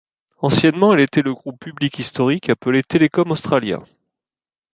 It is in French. Anciennement, elle était le groupe public historique, appelé Telecom Australia.